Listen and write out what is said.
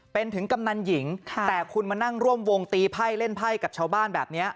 เป็นถึงกำนันหญิงแต่คุณมานั่งร่วมวงตีไพ่เล่นไพ่กับชาวบ้านแบบนี้